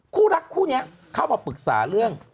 คู่รักคู่นี้เข้ามาปรึกษาเรื่อง